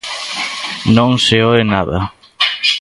Non se oe nada.